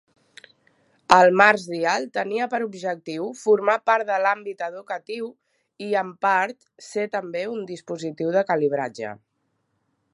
El MarsDial tenia per objectiu formar part de l'àmbit educatiu i en part ser també un dispositiu de calibratge.